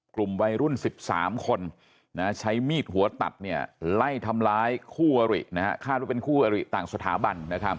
กลุ่มวัยรุ่น๑๓คนใช้มีดหัวตัดไล่ทำร้ายคู่อริคาดว่าเป็นคู่อริต่างสถาบัน